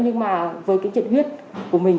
nhưng mà với cái triệt huyết của mình